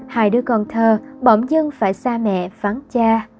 hai đứa con thơ bỗng dưng phải xa mẹ phán cha